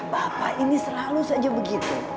bapak ini selalu saja begitu